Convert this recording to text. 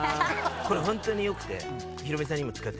これ本当によくて。